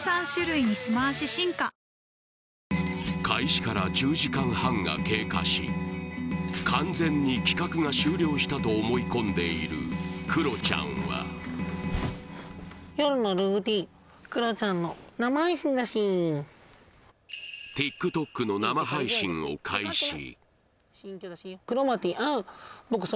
開始から１０時間半が経過し完全に企画が終了したと思い込んでいるクロちゃんはクロマティアウッ僕